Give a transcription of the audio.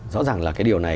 rõ ràng là cái điều này